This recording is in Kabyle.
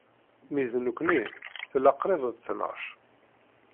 Mi d-nuki, tella qrib d ttnac.